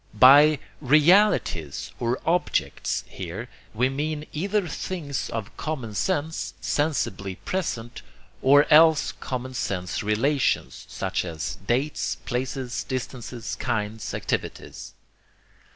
By 'realities' or 'objects' here, we mean either things of common sense, sensibly present, or else common sense relations, such as dates, places, distances, kinds, activities.